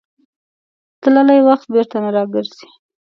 تللی وخت بېرته نه راګرځي.